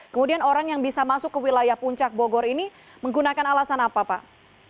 kemudian orang yang bisa masuk ke wilayah puncak bogor ini menggunakan alasan apa pak